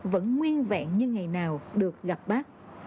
vẫn nguyên vẹn như ngày nào được gặp bác